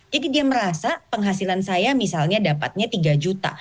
jadi dia merasa penghasilan saya misalnya dapatnya tiga juta